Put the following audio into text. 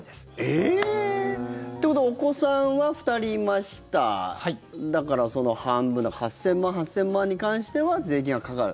えーっ！ということはお子さんは２人いましただからその半分だから８０００万、８０００万に関しては税金がかかる。